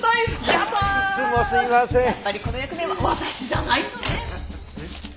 やっぱりこの役目は私じゃないとね！